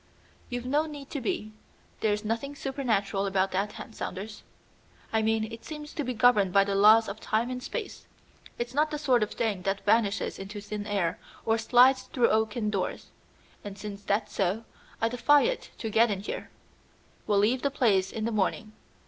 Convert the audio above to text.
"You've no need to be. There's nothing supernatural about that hand, Saunders. I mean it seems to be governed by the laws of time and space. It's not the sort of thing that vanishes into thin air or slides through oaken doors. And since that's so, I defy it to get in here. We'll leave the place in the morning.